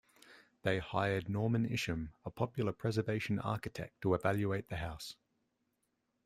They hired Norman Isham, a popular preservation architect, to evaluate the house.